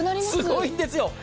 すごいんですよ。